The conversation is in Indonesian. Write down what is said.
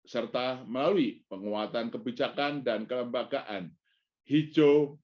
serta melalui penguatan kebijakan dan kelembagaan hijau